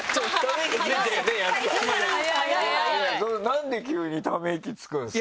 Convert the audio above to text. なんで急にため息つくんですか？